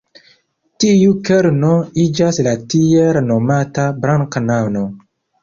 Tiu kerno iĝas la tiel nomata "blanka nano".